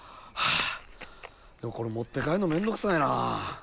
でもこれ持って帰るのめんどくさいな。